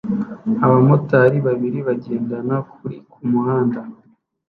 abamotari babiri bagendana kuri kumuhanda